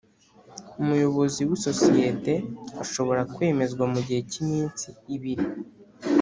Umuyobozi w’isosiyete ashobora kwemezwa mu gihe cy’iminsi ibiri